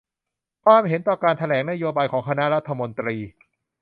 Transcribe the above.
ความเห็นต่อการแถลงนโยบายของคณะรัฐมนตรี